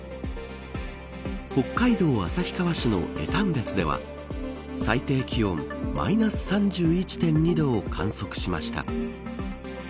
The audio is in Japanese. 北海道旭川市の江丹別では最低気温マイナス３１．２度を観測しました。